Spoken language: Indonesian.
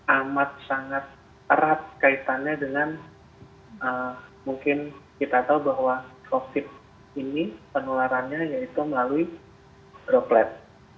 amat sangat erat kaitannya dengan mungkin kita tahu bahwa covid ini penularannya yaitu melalui droplet